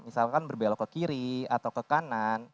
misalkan berbelok ke kiri atau ke kanan